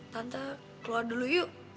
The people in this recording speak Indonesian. tante keluar dulu yuk